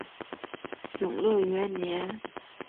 永乐元年。